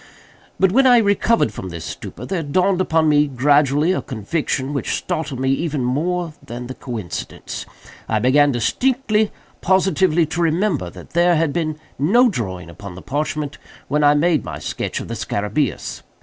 But, when I recovered from this stupor, there dawned upon me gradually a conviction which startled me even far more than the coincidence. I began distinctly, positively, to remember that there had been no drawing upon the parchment when I made my sketch of the scarabæus.